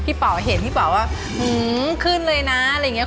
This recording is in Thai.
เป่าเห็นพี่เป๋าว่าขึ้นเลยนะอะไรอย่างนี้